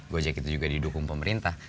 gojek itu juga didukung pemerintah